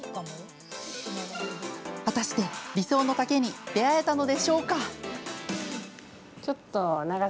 果たして理想の丈に出会えたのでしょうか。